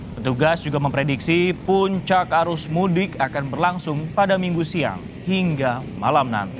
petugas juga memprediksi puncak arus mudik akan berlangsung pada minggu siang hingga malam nanti